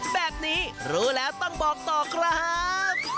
แบบนี้รู้แล้วต้องบอกต่อครับ